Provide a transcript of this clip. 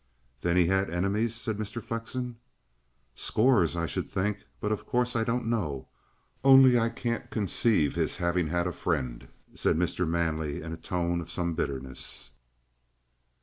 "Then he had enemies?" said Mr. Flexen. "Scores, I should think. But, of course, I don't know. Only I can't conceive his having had a friend," said Mr. Manley in a tone of some bitterness.